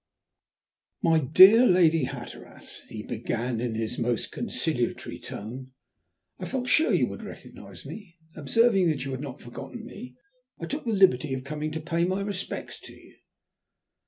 "My dear Lady Hatteras," he began in his most conciliatory tone, "I felt sure you would recognize me. Observing that you had not forgotten me, I took the liberty of coming to pay my respects to you."